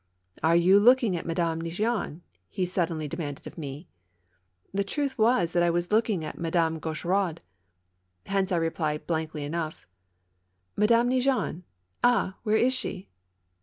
" Are you looking at Madame Neigeon? " he suddenly demanded of me. The truth was that I was looking at Madame Gauch eraud. Hence I replied, blankly enough :" Madame Neigeon I Ah ! where is she